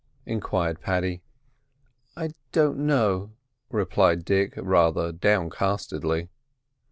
enquired Paddy. "I don't know," replied Dick, rather downcastedly.